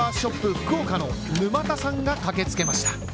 福岡の沼田さんが駆けつけました。